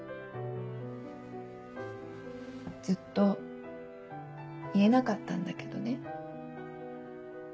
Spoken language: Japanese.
ずっと言えなかったんだけどね。